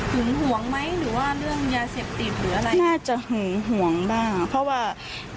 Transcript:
ห่วงไหมหรือว่าเรื่องยาเสพติดหรืออะไรน่าจะหึงห่วงบ้างเพราะว่า